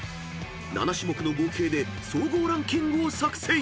［７種目の合計で総合ランキングを作成］